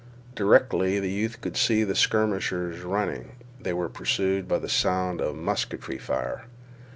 Directly the youth could see the skirmishers running. They were pursued by the sound of musketry fire.